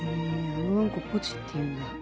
あのわんこポチっていうんだ。